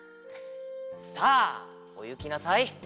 さあおゆきなさい！